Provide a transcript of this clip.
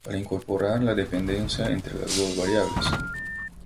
Para incorporar la dependencia entre las dos variables.